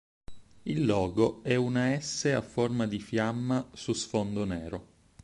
Il logo è una "S" a forma di fiamma su sfondo nero.